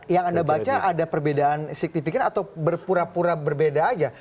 yang anda baca ada perbedaan signifikan atau berpura pura berbeda aja